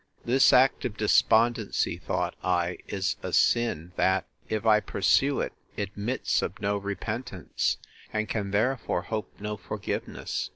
This act of despondency, thought I, is a sin, that, if I pursue it, admits of no repentance, and can therefore hope no forgiveness.